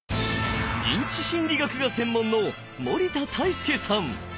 認知心理学が専門の森田泰介さん。